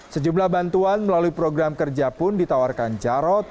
sejumlah bantuan melalui program kerja pun ditawarkan jarod